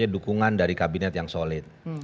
dukungan dari kabinet yang solid